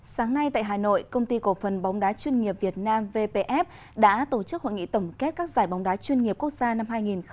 sáng nay tại hà nội công ty cổ phần bóng đá chuyên nghiệp việt nam vpf đã tổ chức hội nghị tổng kết các giải bóng đá chuyên nghiệp quốc gia năm hai nghìn một mươi chín